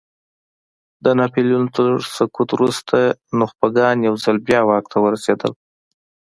د ناپیلیون تر سقوط وروسته نخبګان یو ځل بیا واک ته ورسېدل.